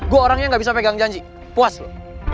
gue orangnya gak bisa pegang janji puas loh